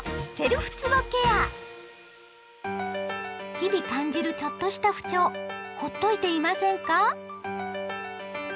日々感じるちょっとした不調ほっといていませんか？